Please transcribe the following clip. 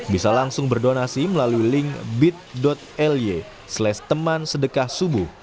bisa langsung berdonasi melalui link bit ly slash temansedekahsubuh